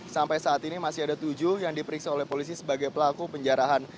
sampai saat ini masih ada tujuh yang diperiksa oleh polisi sebagai pelaku penjarahan